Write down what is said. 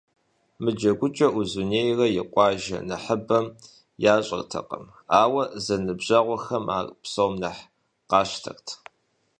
Мы джэгукӏэр Узуняйла и къуажэ нэхъыбэм ящӏэртэкъым, ауэ зэныбжьэгъухэм ар псом нэхъ къатщтэрт.